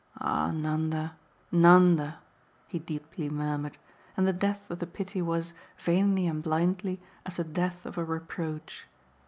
"Ah Nanda, Nanda!" he deeply murmured; and the depth of the pity was, vainly and blindly, as the depth of a reproach.